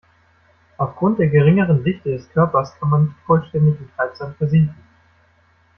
Aufgrund der geringeren Dichte des Körpers kann man nicht vollständig im Treibsand versinken.